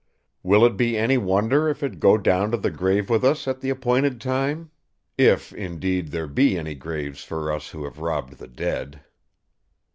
Will it be any wonder if it go down to the grave with us at the appointed time? If, indeed, there be any graves for us who have robbed the dead!"